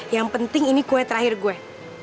yang penting ini kue terakhir gue